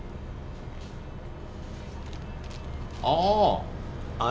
ああ。